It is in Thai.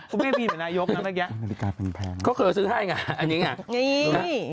กูไม่เหมือนนายยกนะเมื่อกี้เขาเคยซื้อให้ไงอันนี้ไง